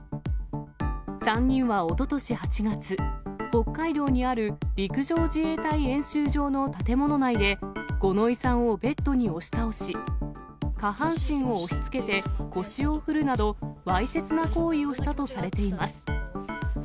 ３人はおととし８月、北海道にある陸上自衛隊演習場の建物内で、五ノ井さんをベッドに押し倒し、下半身を押しつけて、腰を振るなど、わいせつな行為をしたとされています。